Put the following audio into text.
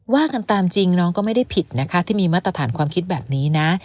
ว่ากันตามจริงน้องก็ไม่ได้ผิดนะคะที่มีมาตรฐานความคิดแบบนี้นะ